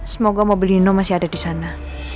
semoga mobil ino masih ada disana